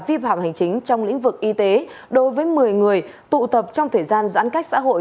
vi phạm hành chính trong lĩnh vực y tế đối với một mươi người tụ tập trong thời gian giãn cách xã hội